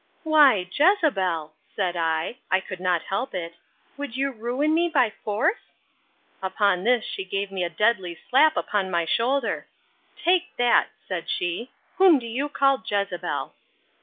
—Why, Jezebel, said I, (I could not help it,) would you ruin me by force?—Upon this she gave me a deadly slap upon my shoulder: Take that, said she; whom do you call Jezebel?